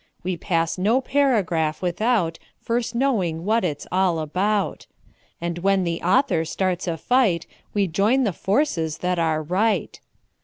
We pass no paragraph without First knowing what it's all about, And when the author starts a fight We join the forces that are right.